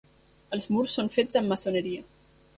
Els murs són fets amb maçoneria.